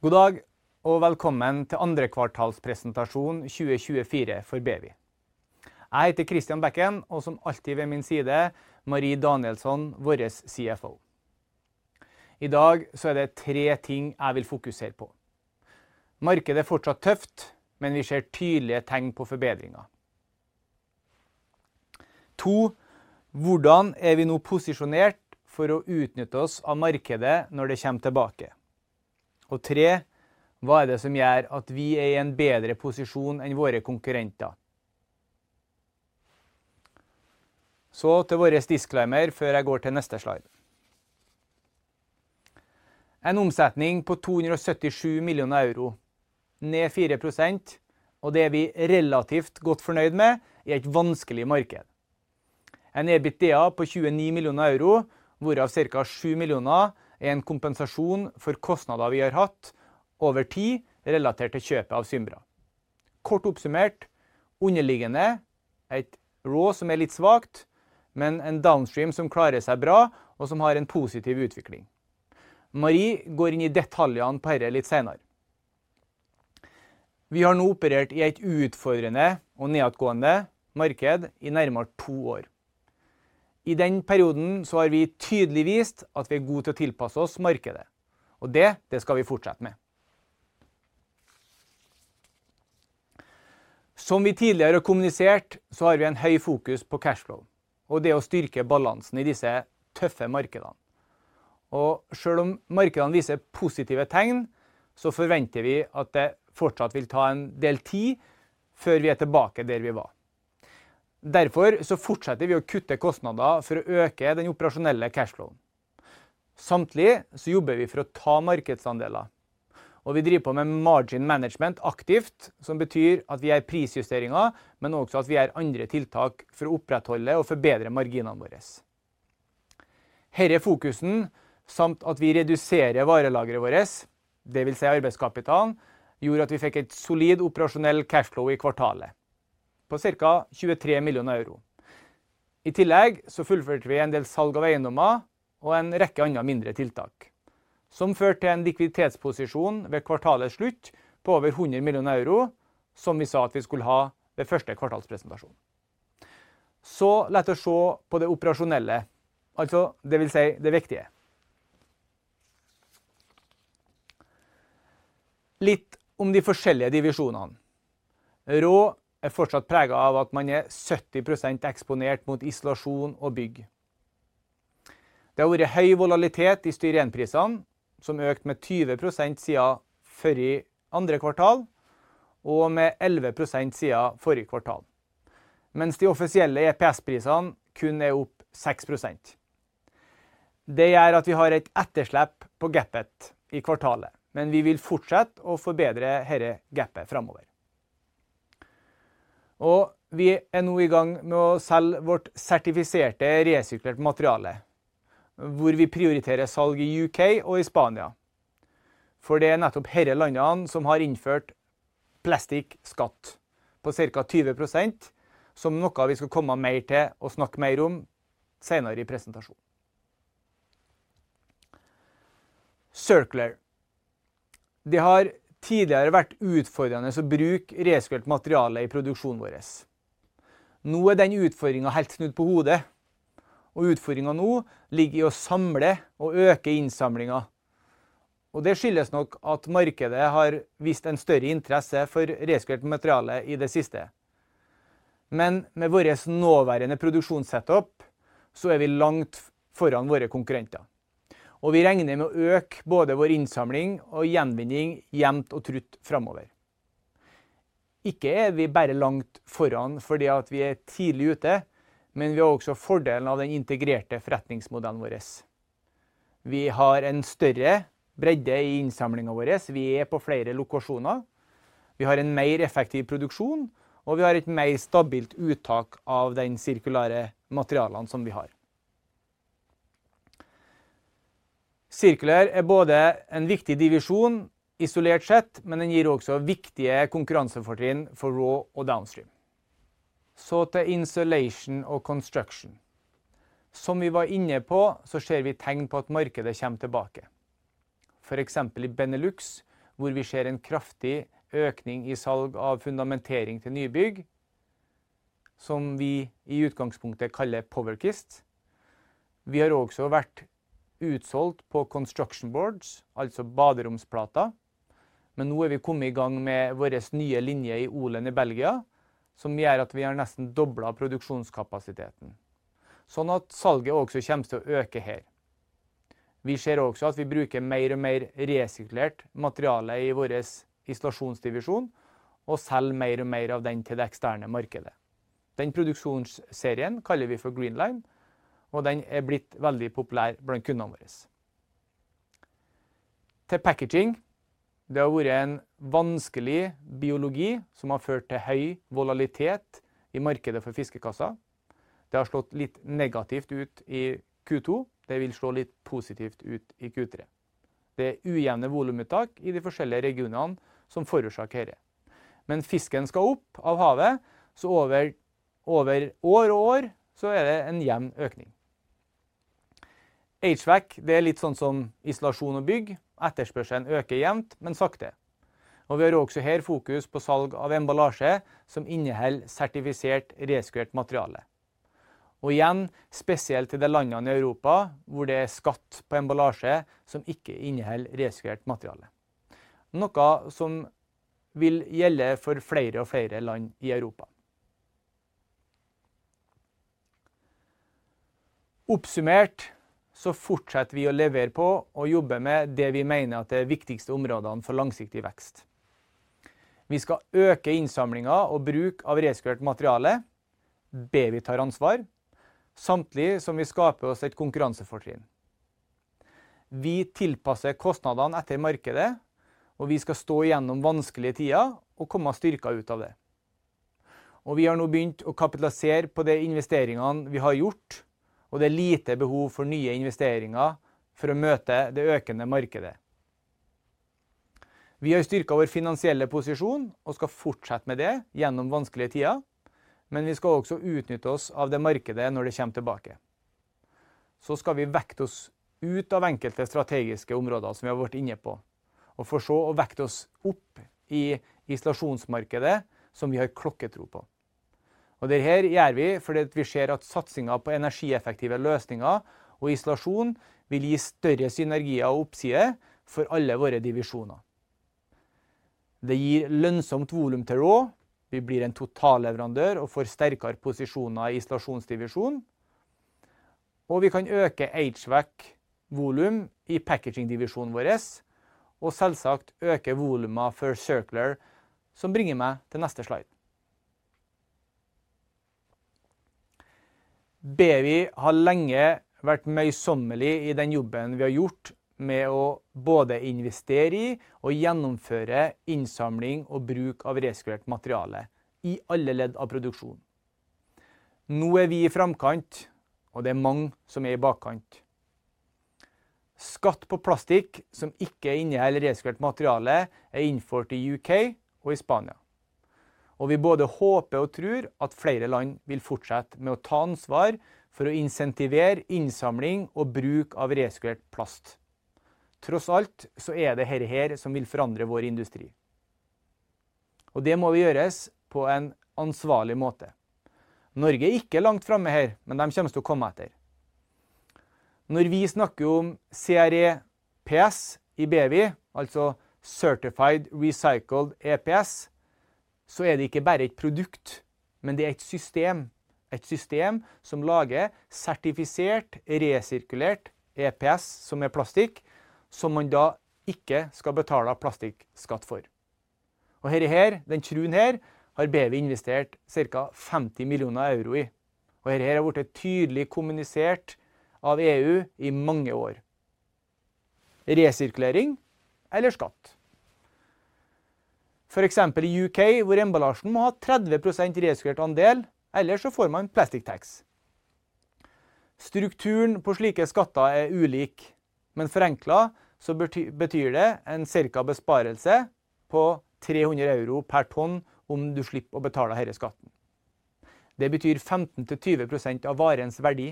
God dag og velkommen til andre kvartalspresentasjon 2024 for BEWI. Jeg heter Kristian Bekken og som alltid ved min side, Marie Danielsen, våres CFO. I dag så er det tre ting jeg vil fokusere på. Markedet er fortsatt tøft, men vi ser tydelige tegn på forbedringer. To: hvordan er vi nå posisjonert for å utnytte oss av markedet når det kommer tilbake? Og tre: hva er det som gjør at vi er i en bedre posisjon enn våre konkurrenter? Så til våres disclaimer før jeg går til neste slide. En omsetning på €277 millioner, ned 4%. Det er vi relativt godt fornøyd med i et vanskelig marked. En EBITDA på €29 millioner, hvorav cirka €7 millioner er en kompensasjon for kostnader vi har hatt over tid relatert til kjøpet av Symbra. Kort oppsummert underliggende, et raw som er litt svakt, men en downstream som klarer seg bra og som har en positiv utvikling. Marie går inn i detaljene på dette litt senere. Vi har nå operert i et utfordrende og nedadgående marked i nærmere to år. I den perioden har vi tydelig vist at vi er gode til å tilpasse oss markedet, og det skal vi fortsette med. Som vi tidligere har kommunisert har vi høy fokus på cash flow og det å styrke balansen i disse tøffe markedene. Selv om markedene viser positive tegn, forventer vi at det fortsatt vil ta en del tid før vi er tilbake der vi var. Derfor fortsetter vi å kutte kostnader for å øke den operasjonelle cash flowen. Samtidig så jobber vi for å ta markedsandeler, og vi driver på med margin management aktivt, som betyr at vi gjør prisjusteringer, men også at vi gjør andre tiltak for å opprettholde og forbedre marginene våres. Denne fokusen, samt at vi reduserer varelageret våres, det vil si arbeidskapital, gjorde at vi fikk et solid operasjonell cash flow i kvartalet på cirka €23 millioner. I tillegg så fullførte vi en del salg av eiendommer og en rekke andre mindre tiltak, som førte til en likviditetsposisjon ved kvartalets slutt på over €100 millioner, som vi sa at vi skulle ha ved første kvartalspresentasjon. Så la oss se på det operasjonelle. Altså, det vil si det viktige. Litt om de forskjellige divisjonene. Raw er fortsatt preget av at man er 70% eksponert mot isolasjon og bygg. Det har vært høy volatilitet i styrenprisene, som økte med 20% siden forrige andre kvartal og med 11% siden forrige kvartal. Mens de offisielle EPS-prisene kun er opp 6%. Det gjør at vi har et etterslep på gapet i kvartalet, men vi vil fortsette å forbedre dette gapet framover. Vi er nå i gang med å selge vårt sertifiserte resirkulerte materiale, hvor vi prioriterer salg i UK og i Spania. For det er nettopp disse landene som har innført plastskatt på cirka 20%, som er noe vi skal komme mer til å snakke om senere i presentasjonen. Circular. Det har tidligere vært utfordrende å bruke resirkulert materiale i produksjonen vår. Nå er den utfordringen helt snudd på hodet, og utfordringen nå ligger i å samle og øke innsamlingen. Og det skyldes nok at markedet har vist en større interesse for resirkulert materiale i det siste. Men med våres nåværende produksjonssetup så er vi langt foran våre konkurrenter. Vi regner med å øke både vår innsamling og gjenvinning jevnt og trutt framover. Ikke er vi bare langt foran fordi at vi er tidlig ute, men vi har også fordelen av den integrerte forretningsmodellen våres. Vi har en større bredde i innsamlingen våres. Vi er på flere lokasjoner. Vi har en mer effektiv produksjon og vi har et mer stabilt uttak av de sirkulære materialene som vi har. Circular er både en viktig divisjon isolert sett, men den gir også viktige konkurransefortrinn for Raw og Downstream. Så til Insulation og Construction. Som vi var inne på så ser vi tegn på at markedet kommer tilbake. For eksempel i Benelux, hvor vi ser en kraftig økning i salg av fundamentering til nybygg, som vi i utgangspunktet kaller Powerkist. Vi har også vært utsolgt på construction boards, altså baderomsplater. Men nå er vi kommet i gang med våres nye linje i Olen i Belgia, som gjør at vi har nesten doblet produksjonskapasiteten, sånn at salget også kommer til å øke her. Vi ser også at vi bruker mer og mer resirkulert materiale i våres isolasjonsdivisjon og selger mer og mer av den til det eksterne markedet. Den produksjonsserien kaller vi for Greenline, og den er blitt veldig populær blant kundene våres. Til packaging. Det har vært en vanskelig biologi som har ført til høy volatilitet i markedet for fiskekasser. Det har slått litt negativt ut i Q2. Det vil slå litt positivt ut i Q3. Det er ujevne volumsuttak i de forskjellige regionene som forårsaker dette. Men fisken skal opp av havet, så over år og år så er det en jevn økning. Agevac, det er litt sånn som isolasjon og bygg. Etterspørselen øker jevnt, men sakte, og vi har også her fokus på salg av emballasje som inneholder sertifisert resirkulert materiale. Igjen, spesielt til de landene i Europa hvor det er skatt på emballasje som ikke inneholder resirkulert materiale, noe som vil gjelde for flere og flere land i Europa. Oppsummert så fortsetter vi å levere på og jobbe med det vi mener at er de viktigste områdene for langsiktig vekst. Vi skal øke innsamlingen og bruk av resirkulert materiale, Bewi tar ansvar, samtidig som vi skaper oss et konkurransefortrinn. Vi tilpasser kostnadene etter markedet, og vi skal stå gjennom vanskelige tider og komme styrket ut av det. Og vi har nå begynt å kapitalisere på de investeringene vi har gjort, og det er lite behov for nye investeringer for å møte det økende markedet. Vi har styrket vår finansielle posisjon og skal fortsette med det gjennom vanskelige tider. Men vi skal også utnytte oss av det markedet når det kommer tilbake. Så skal vi vekte oss ut av enkelte strategiske områder som vi har vært inne på, og for så å vekte oss opp i isolasjonsmarkedet som vi har klokketro på. Og det her gjør vi fordi at vi ser at satsingen på energieffektive løsninger og isolasjon vil gi større synergier og oppside for alle våre divisjoner. Det gir lønnsomt volum til rå, vi blir en totalleverandør og får sterkere posisjoner i isolasjonsdivisjon, og vi kan øke agevac volum i packaging divisjonen vår, og selvsagt øke volumet for circular. Som bringer meg til neste slide. Bewi har lenge vært møysommelig i den jobben vi har gjort med å både investere i og gjennomføre innsamling og bruk av resirkulert materiale i alle ledd av produksjonen. Nå er vi i framkant, og det er mange som er i bakkant. Skatt på plastikk som ikke inneholder resirkulert materiale, er innført i UK og i Spania, og vi både håper og tror at flere land vil fortsette med å ta ansvar for å insentivere innsamling og bruk av resirkulert plast. Tross alt så er det dette her som vil forandre vår industri, og det må gjøres på en ansvarlig måte. Norge er ikke langt framme her, men de kommer til å komme etter. Når vi snakker om CREPS i Bewi, altså Certified Recycled EPS, så er det ikke bare et produkt, men det er et system. Et system som lager sertifisert resirkulert EPS, som er plastikk, som man da ikke skal betale plastikkskatt for. Og dette her, den truen her har Bewi investert cirka 50 millioner euro i. Og dette her har vært tydelig kommunisert av EU i mange år. Resirkulering eller skatt? For eksempel i UK, hvor emballasjen må ha 30% resirkulert andel, ellers så får man plastic tax. Strukturen på slike skatter er ulik, men forenklet så betyr det en cirka besparelse på 300 euro per tonn om du slipper å betale hele skatten. Det betyr 15 til 20% av varens verdi.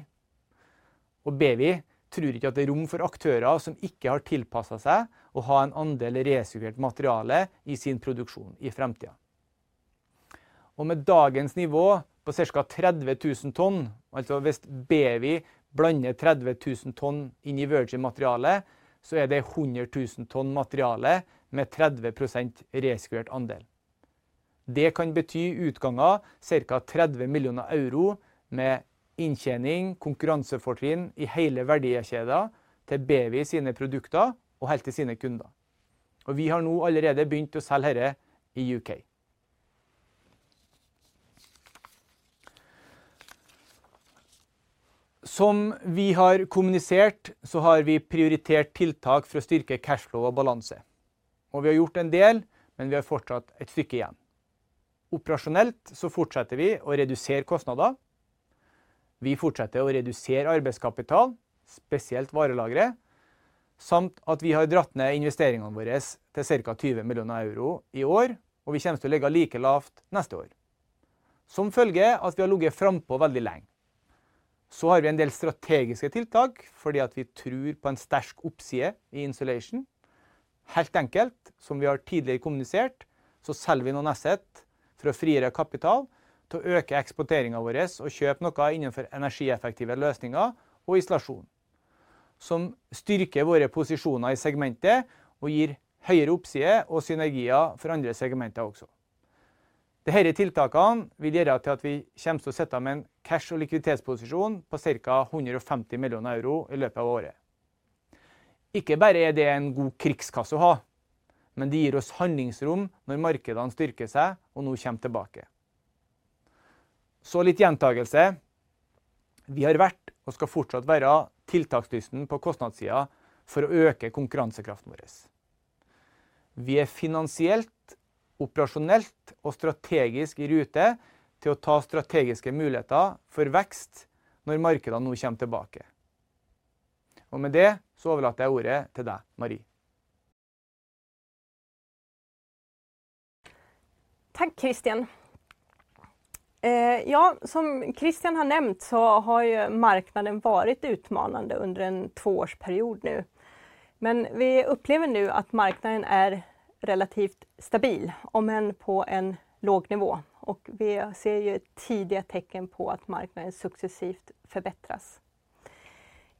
Og Bewi tror ikke at det er rom for aktører som ikke har tilpasset seg å ha en andel resirkulert materiale i sin produksjon i fremtiden. Og med dagens nivå på cirka 30 tusen tonn. Altså, hvis Bewi blander 30.000 tonn inn i virgin materialet, så er det 100.000 tonn materiale med 30% resirkulert andel. Det kan bety i utgangen cirka €30 millioner med inntjening konkurransefortrinn i hele verdikjeden til Bewi sine produkter og helt til sine kunder. Vi har nå allerede begynt å selge dette i UK. Som vi har kommunisert så har vi prioritert tiltak for å styrke cash flow og balanse, og vi har gjort en del. Men vi har fortsatt et stykke igjen. Operasjonelt så fortsetter vi å redusere kostnader. Vi fortsetter å redusere arbeidskapital, spesielt varelageret, samt at vi har dratt ned investeringene våres til cirka €20 millioner i år. Vi kommer til å ligge like lavt neste år, som følge at vi har ligget frampå veldig lenge. Vi har en del strategiske tiltak fordi vi tror på en sterk oppside i isolasjon. Helt enkelt, som vi har tidligere kommunisert, selger vi noen assets for å frigjøre kapital, til å øke eksporten vår og kjøpe noe innenfor energieffektive løsninger og isolasjon, som styrker våre posisjoner i segmentet og gir høyere oppside og synergier for andre segmenter også. Disse tiltakene vil gjøre at vi kommer til å sitte med en cash- og likviditetsposisjon på cirka €150 millioner i løpet av året. Ikke bare er det en god krigskasse å ha, men det gir oss handlingsrom når markedene styrker seg og kommer tilbake. Litt gjentakelse. Vi har vært og skal fortsatt være tiltakslysten på kostnadssiden for å øke konkurransekraften vår. Vi er finansielt, operasjonelt og strategisk i rute til å ta strategiske muligheter for vekst når markedene kommer tilbake. Og med det så overlater jeg ordet til deg, Mari. Tack Christian! Ja, som Christian har nämnt så har ju marknaden varit utmanande under en tvåårsperiod nu. Men vi upplever nu att marknaden är relativt stabil, om än på en låg nivå, och vi ser ju tidiga tecken på att marknaden successivt förbättras.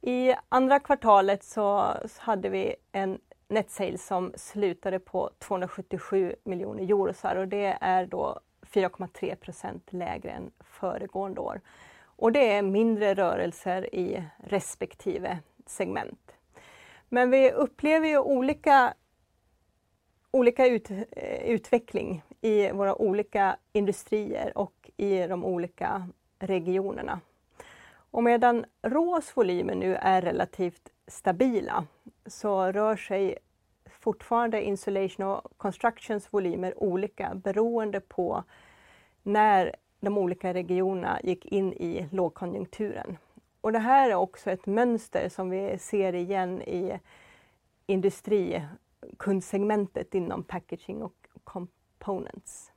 I andra kvartalet så hade vi en net sales som slutade på €277 miljoner, och det är då 4,3% lägre än föregående år. Och det är mindre rörelser i respektive segment. Men vi upplever ju olika utveckling i våra olika industrier och i de olika regionerna. Och medan råsvaruvolymer nu är relativt stabila, så rör sig fortfarande Insulation och Constructions volymer olika, beroende på när de olika regionerna gick in i lågkonjunkturen. Och det här är också ett mönster som vi ser igen i industri, kundsegmentet inom Packaging och Components.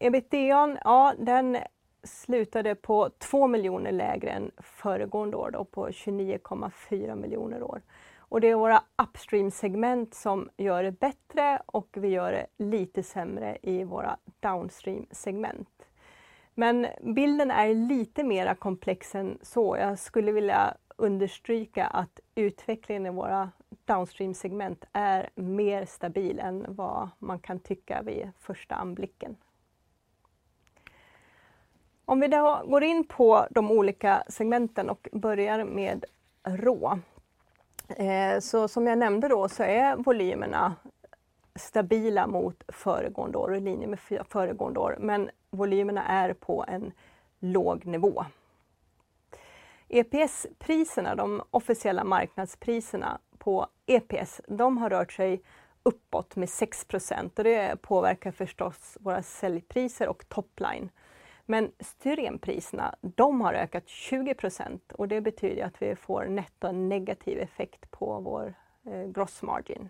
EBITDA, ja, den slutade på två miljoner lägre än föregående år, då på 29,4 miljoner år. Det är våra upstream segment som gör det bättre och vi gör det lite sämre i våra downstream segment. Men bilden är lite mer komplex än så. Jag skulle vilja understryka att utvecklingen i våra downstream segment är mer stabil än vad man kan tycka vid första anblicken. Om vi går in på de olika segmenten och börjar med Raw, så som jag nämnde då, så är volymerna stabila mot föregående år och i linje med föregående år, men volymerna är på en låg nivå. EPS-priserna, de officiella marknadspriserna på EPS, de har rört sig uppåt med 6% och det påverkar förstås våra säljpriser och top line. Men styrenpriserna, de har ökat 20% och det betyder att vi får netto en negativ effekt på vår gross margin.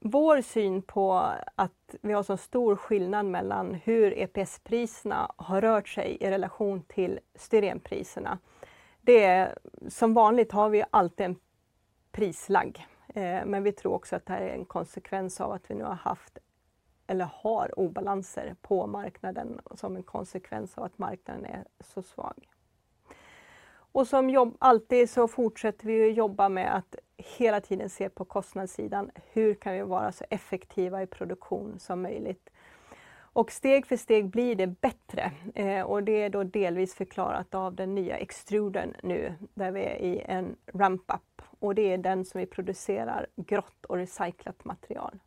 Vår syn på att vi har så stor skillnad mellan hur EPS-priserna har rört sig i relation till styrenpriserna, det är, som vanligt har vi alltid en prislagg, men vi tror också att det här är en konsekvens av att vi nu har haft eller har obalanser på marknaden som en konsekvens av att marknaden är så svag. Som vanligt så fortsätter vi att jobba med att hela tiden se på kostnadssidan, hur kan vi vara så effektiva i produktion som möjligt? Steg för steg blir det bättre, och det är då delvis förklarat av den nya extrudern nu, där vi är i en ramp up, och det är den som vi producerar grått och recyclat material.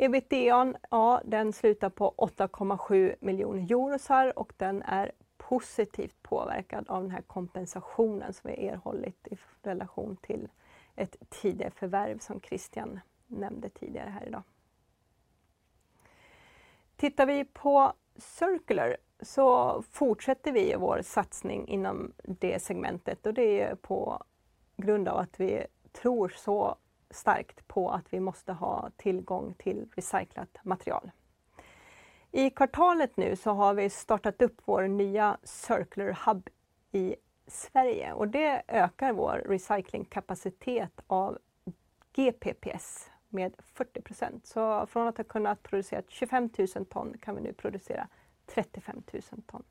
EBITDA, ja, den slutar på 8,7 miljoner euro, och den är positivt påverkad av den här kompensationen som vi erhållit i relation till ett tidigare förvärv som Christian nämnde tidigare här idag. Tittar vi på Circular så fortsätter vi vår satsning inom det segmentet, och det är på grund av att vi tror så starkt på att vi måste ha tillgång till recyclat material. I kvartalet nu så har vi startat upp vår nya Circular hub i Sverige och det ökar vår recycling kapacitet av GPPs med 40%. Så från att ha kunnat producera 25 000 ton kan vi nu producera 35 000 ton.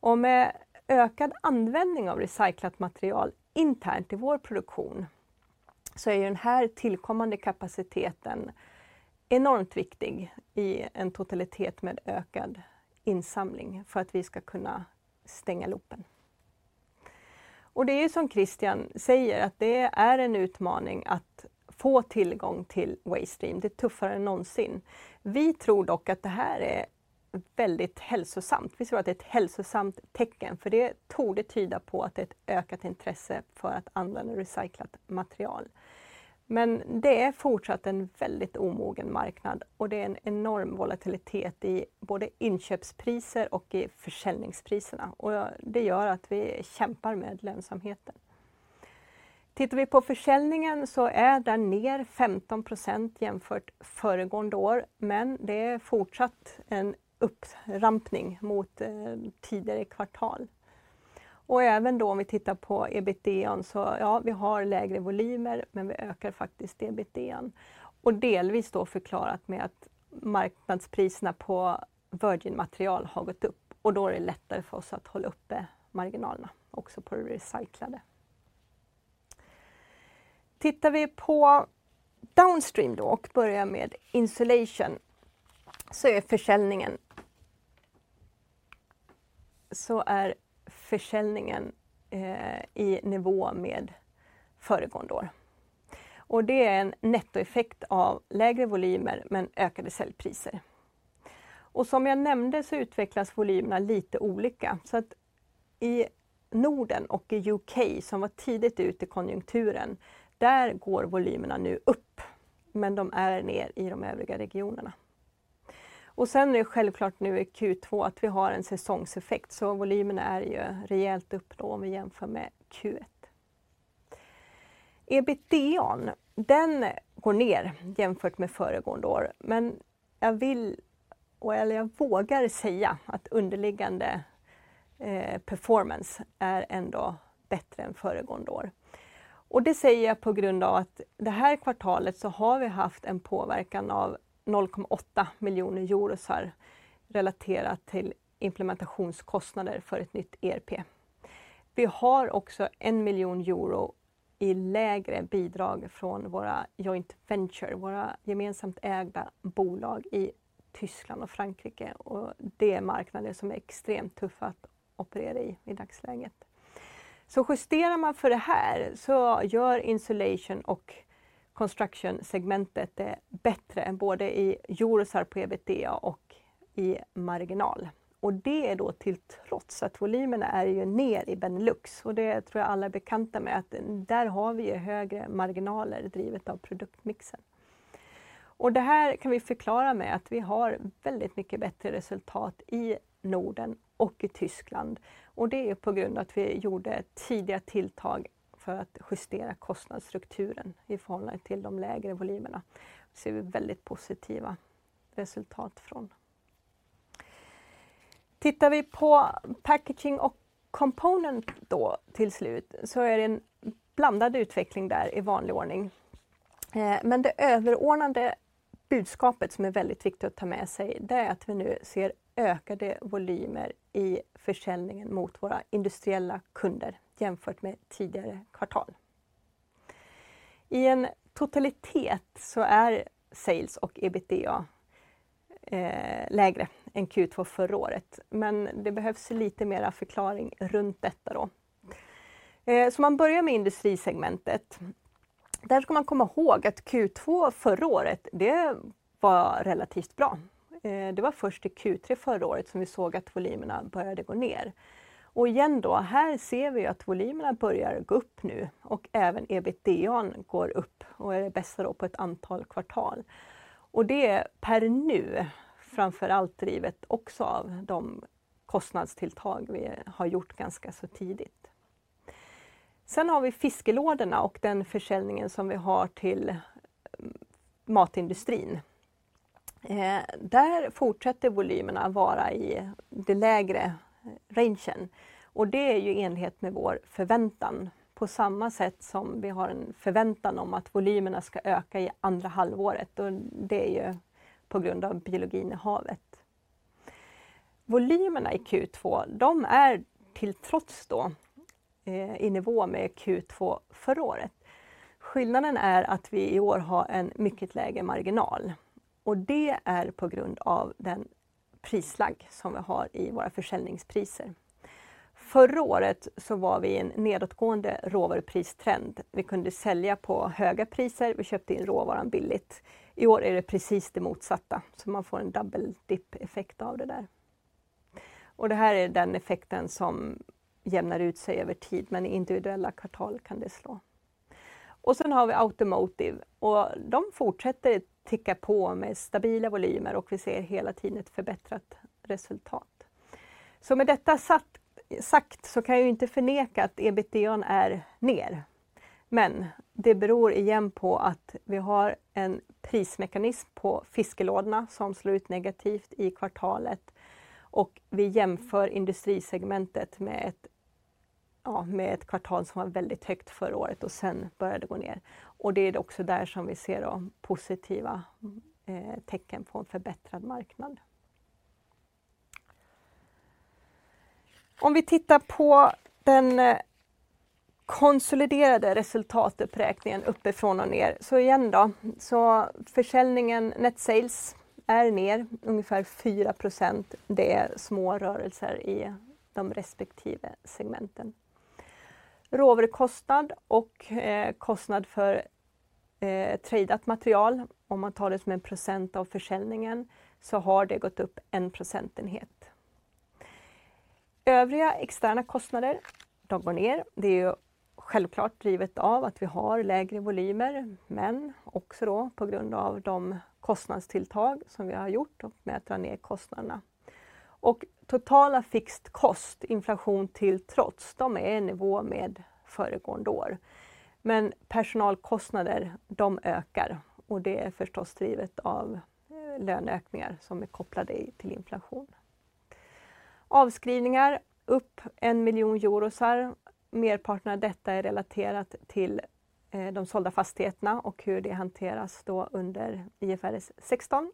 Och med ökad användning av recyclat material internt i vår produktion, så är den här tillkommande kapaciteten enormt viktig i en totalitet med ökad insamling för att vi ska kunna stänga loopen. Och det är som Christian säger, att det är en utmaning att få tillgång till waste stream, det är tuffare än någonsin. Vi tror dock att det här är väldigt hälsosamt. Vi tror att det är ett hälsosamt tecken, för det torde tyda på att det är ett ökat intresse för att använda recyclat material. Men det är fortsatt en väldigt omogen marknad och det är en enorm volatilitet i både inköpspriser och i försäljningspriserna. Det gör att vi kämpar med lönsamheten. Tittar vi på försäljningen så är den ner 15% jämfört föregående år, men det är fortsatt en upprampning mot tidigare kvartal. Även då om vi tittar på EBITDA, så ja, vi har lägre volymer, men vi ökar faktiskt EBITDA. Och delvis då förklarat med att marknadspriserna på Virgin material har gått upp och då är det lättare för oss att hålla uppe marginalerna, också på det recyclade. Tittar vi på downstream då och börjar med Insulation, så är försäljningen i nivå med föregående år. Och det är en nettoeffekt av lägre volymer, men ökade säljpriser. Och som jag nämnde så utvecklas volymerna lite olika. Så att i Norden och i UK, som var tidigt ute i konjunkturen, där går volymerna nu upp, men de är ner i de övriga regionerna. Och sen är det självklart nu i Q2 att vi har en säsongseffekt, så volymen är ju rejält upp då om vi jämför med Q1. EBITDA, den går ner jämfört med föregående år, men jag vill eller jag vågar säga att underliggande performance är ändå bättre än föregående år. Och det säger jag på grund av att det här kvartalet så har vi haft en påverkan av €0,8 miljoner, relaterat till implementationskostnader för ett nytt ERP. Vi har också €1 miljon i lägre bidrag från våra joint venture, våra gemensamt ägda bolag i Tyskland och Frankrike, och det är marknader som är extremt tuffa att operera i, i dagsläget. Justerar man för det här så gör Insulation och Construction segmentet bättre än både i euro på EBITDA och i marginal. Och det är då till trots att volymerna är ner i Benelux och det tror jag alla är bekanta med att där har vi högre marginaler, drivet av produktmixen. Och det här kan vi förklara med att vi har väldigt mycket bättre resultat i Norden och i Tyskland. Och det är på grund av att vi gjorde tidiga åtgärder för att justera kostnadsstrukturen i förhållande till de lägre volymerna. Ser vi väldigt positiva resultat från. Tittar vi på Packaging och Component då till slut, så är det en blandad utveckling där i vanlig ordning. Men det överordnade budskapet som är väldigt viktigt att ta med sig, det är att vi nu ser ökade volymer i försäljningen mot våra industriella kunder jämfört med tidigare kvartal. I en totalitet så är sales och EBITDA lägre än Q2 förra året, men det behövs lite mer förklaring runt detta då. Så man börjar med industrisegmentet. Där ska man komma ihåg att Q2 förra året, det var relativt bra. Det var först i Q3 förra året som vi såg att volymerna började gå ner. Och igen då, här ser vi att volymerna börjar gå upp nu och även EBITDA går upp och är det bästa då på ett antal kvartal. Det är per nu, framför allt drivet också av de kostnadstilltag vi har gjort ganska så tidigt. Sen har vi fiskelådorna och den försäljningen som vi har till matindustrin. Där fortsätter volymerna att vara i det lägre rangen och det är ju enhet med vår förväntan, på samma sätt som vi har en förväntan om att volymerna ska öka i andra halvåret. Det är ju på grund av biologin i havet. Volymerna i Q2, de är till trots då, i nivå med Q2 förra året. Skillnaden är att vi i år har en mycket lägre marginal och det är på grund av den prislagg som vi har i våra försäljningspriser. Förra året så var vi i en nedåtgående råvarupristrend. Vi kunde sälja på höga priser, vi köpte in råvaran billigt. I år är det precis det motsatta, så man får en double dip-effekt av det där. Det här är den effekten som jämnar ut sig över tid, men i individuella kvartal kan det slå. Sen har vi Automotive och de fortsätter ticka på med stabila volymer och vi ser hela tiden ett förbättrat resultat. Så med detta sagt, så kan jag inte förneka att EBITDA är ner, men det beror igen på att vi har en prismekanism på fiskelådorna som slår ut negativt i kvartalet och vi jämför industrisegmentet med ett kvartal som var väldigt högt förra året och sedan började gå ner. Det är också där som vi ser positiva tecken på en förbättrad marknad. Om vi tittar på den konsoliderade resultaträkningen uppifrån och ner, så igen då, så försäljningen, net sales, är ner ungefär 4%. Det är små rörelser i de respektive segmenten. Råvarukostnad och kostnad för tradat material, om man talar med % av försäljningen, så har det gått upp en procentenhet. Övriga externa kostnader, de går ner. Det är självklart drivet av att vi har lägre volymer, men också då på grund av de kostnadstilltag som vi har gjort och med att dra ner kostnaderna. Totala fixed cost, inflation till trots, de är i nivå med föregående år. Men personalkostnader, de ökar och det är förstås drivet av löneökningar som är kopplade till inflation. Avskrivningar upp €1 miljon. Merparten av detta är relaterat till de sålda fastigheterna och hur det hanteras då under IFRS 16.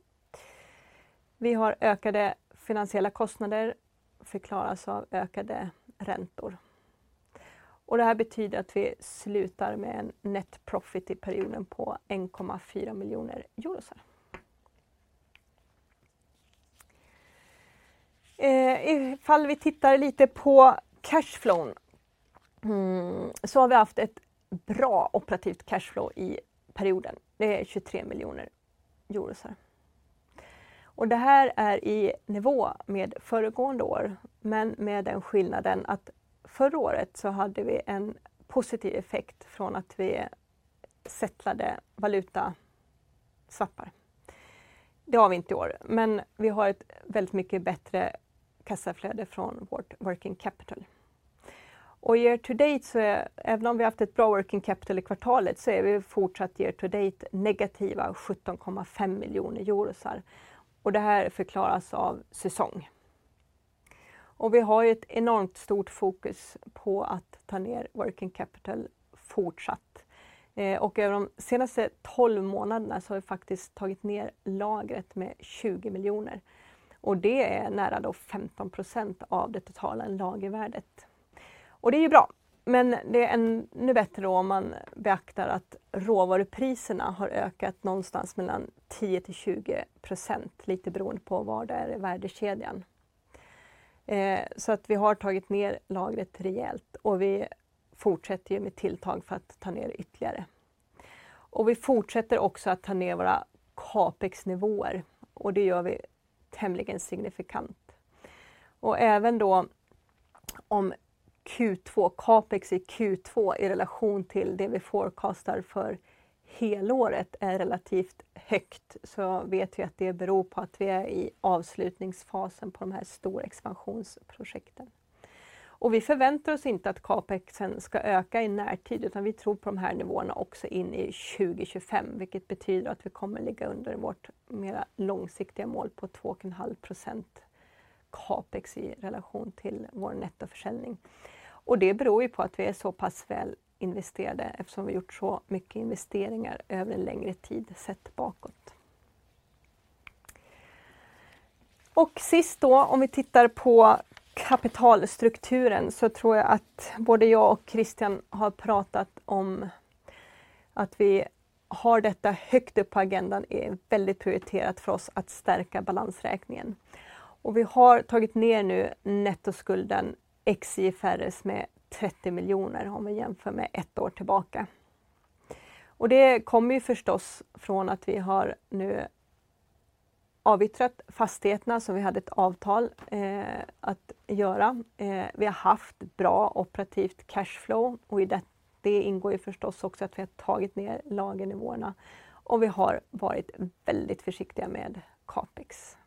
Vi har ökade finansiella kostnader, förklaras av ökade räntor. Och det här betyder att vi slutar med en nettovinst i perioden på 1,4 miljoner euro. Ifall vi tittar lite på kassaflöde, så har vi haft ett bra operativt kassaflöde i perioden. Det är 23 miljoner euro. Och det här är i nivå med föregående år, men med den skillnaden att förra året så hade vi en positiv effekt från att vi settlade valutaswappar. Det har vi inte i år, men vi har ett mycket bättre kassaflöde från vårt rörelsekapital. Och year to date, så är, även om vi har haft ett bra rörelsekapital i kvartalet, så är vi fortsatt year to date negativa 17,5 miljoner euro, och det här förklaras av säsong. Och vi har ju ett enormt stort fokus på att ta ned rörelsekapital fortsatt. Och över de senaste tolv månaderna så har vi faktiskt tagit ner lagret med tjugo miljoner, och det är nästan då femton % av det totala lagervärdet. Och det är ju bra, men det är ännu bättre om man beaktar att råvarepriserna har ökat någonstans mellan tio till tjugo %, lite beroende på var det är i värdekedjan. Så att vi har tagit ner lagret rejält, och vi fortsätter med åtgärder för att ta ner ytterligare. Och vi fortsätter också att ta ner våra capex-nivåer, och det gör vi tämligen signifikant. Och även då om Q2, capex i Q2, i relation till det vi prognostiserar för helåret, är relativt högt, så vet vi att det beror på att vi är i avslutningsfasen på de här stora expansionsprojekten. Og vi forventer oss ikke at capexen skal øke i nærtid, men vi tror på de her nivåene også inn i 2025, hvilket betyr at vi kommer å ligge under vårt mer langsiktige mål på 2,5% capex i relasjon til vår nettosalg. Og det beror på at vi er såpass vel investerte, eftersom vi har gjort så mye investeringer over lengre tid, sett bakåt. Og sist da, om vi tittar på kapitalstrukturen, så tror jeg at både jeg og Christian har pratet om at vi har dette høyt oppe på agendaen, er veldig prioritert for oss å styrke balansregningen. Og vi har tatt ned nå nettoskulden ex IFRS med 30 millioner, om vi sammenligner med ett år tilbake. Og det kommer jo forstås fra at vi har nå avytret fastighetene, så vi hadde et avtal å gjøre. Vi har haft bra operativt cash flow, og i det ingår forstås också at vi har tatt ned lagernivåene, og vi har vært veldig forsiktige med capex.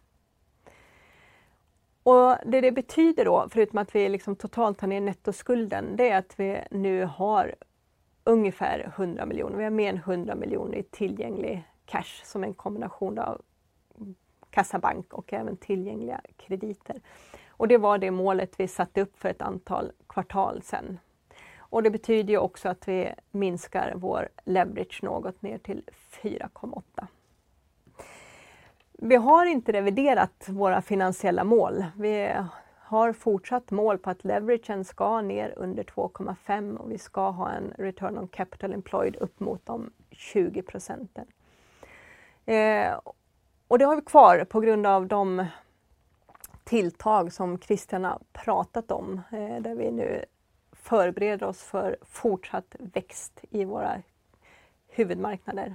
Og det det betyder då, foruten at vi totalt tar ned nettoskulden, det er at vi nu har ungefär NOK 100 millioner. Vi har mer enn NOK 100 millioner i tilgjengelig cash, som en kombinasjon av kassa, bank og även tilgjengelige krediter. Og det var det målet vi satte opp for et antal kvartal siden. Og det betyder jo också at vi minskar vår leverage något ner till 4,8. Vi har ikke revidert våre finansielle mål. Vi har fortsatt mål på at leveragen skal ned under 2,5, og vi ska ha en return on capital employed opp mot de 20%. Eh, og det har vi klart på grunn av de tiltakene som Christian har snakket om, der vi nå forbereder oss for fortsatt vekst i våre hovedmarkeder,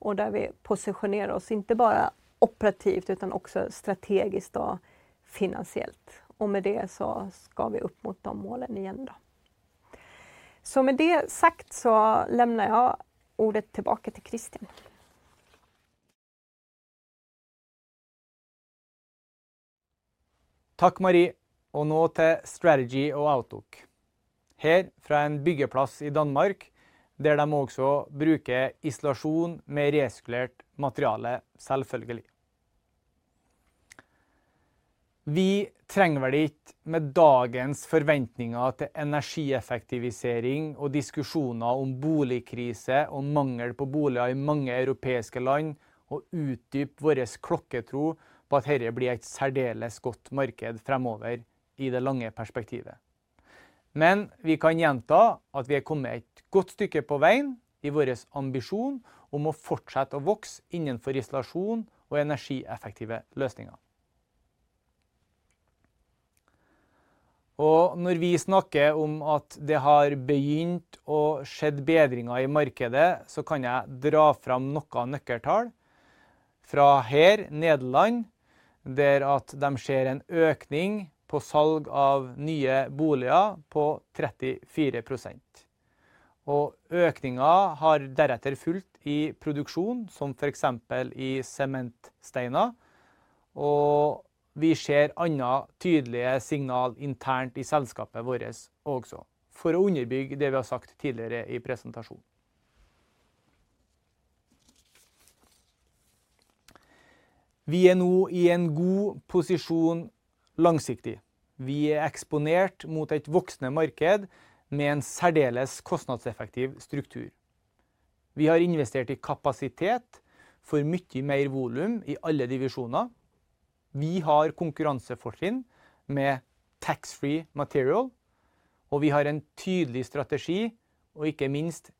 og der vi posisjonerer oss ikke bare operativt, men også strategisk og finansielt. Og med det så skal vi opp mot de målene igjen da. Så med det sagt så gir jeg ordet tilbake til Christian. Takk, Marie! Og nå til strategy og outlook. Her fra en byggeplass i Danmark, der de også bruker isolasjon med resirkulert materiale, selvfølgelig. Vi trenger vel ikke med dagens forventninger til energieffektivisering og diskusjoner om boligkrise og mangel på boliger i mange europeiske land, å utdype vores klokketro på at dette blir et særdeles godt marked fremover i det lange perspektivet. Men vi kan gjenta at vi har kommet et godt stykke på veien i vores ambisjon om å fortsette å vokse innenfor isolasjon og energieffektive løsninger. Og når vi snakker om at det har begynt å skjedd bedringer i markedet, så kan jeg dra fram noen nøkkeltall. Fra her, Nederland, der at de ser en økning på salg av nye boliger på 34%, og økningen har deretter fulgt i produksjon, som for eksempel i sementsteiner, og vi ser andre tydelige signaler internt i selskapet vårt også, for å underbygge det vi har sagt tidligere i presentasjonen. Vi er nå i en god posisjon langsiktig. Vi er eksponert mot et voksende marked med en særdeles kostnadseffektiv struktur. Vi har investert i kapasitet for mye mer volum i alle divisjoner. Vi har konkurransefortrinn med taxfree materiale, og vi har en tydelig strategi og ikke minst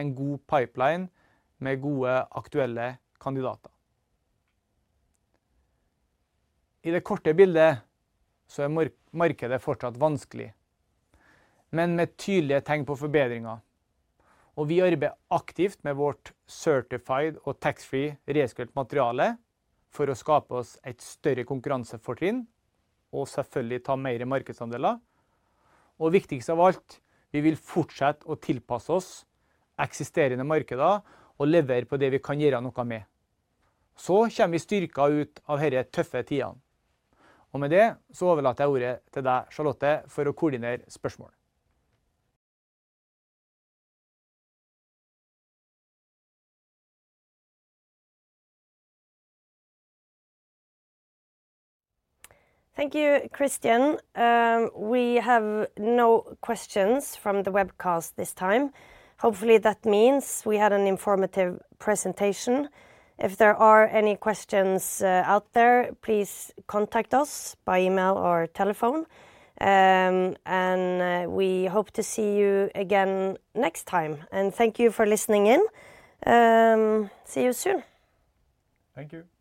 en god pipeline med gode, aktuelle kandidater. I det korte bildet så er markedet fortsatt vanskelig, men med tydelige tegn på forbedringer, og vi arbeider aktivt med vårt sertifiserte og taxfree resirkulerte materiale for å skape oss et større konkurransefortrinn og selvfølgelig ta mer markedsandeler. Og viktigst av alt, vi vil fortsette å tilpasse oss eksisterende markeder og levere på det vi kan gjøre noe med. Så kommer vi styrket ut av disse tøffe tidene. Og med det så overlater jeg ordet til deg, Charlotte, for å koordinere spørsmål. Thank you, Christian. We have no questions from the webcast this time. Hopefully, that means we had an informative presentation. If there are any questions out there, please contact us by email or telephone, and we hope to see you again next time. Thank you for listening in. See you soon! Thank you. Thank you.